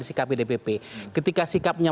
sikap dpp ketika sikapnya